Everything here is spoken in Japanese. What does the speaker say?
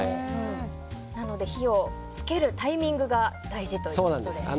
なので火を付けるタイミングが大事ということですね。